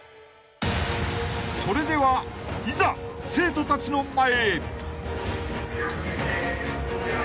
［それではいざ生徒たちの前へ］